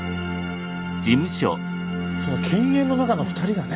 その犬猿の仲の２人がね